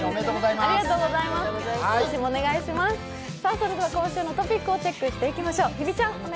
それでは今週のトピックをチェックしていきましょう。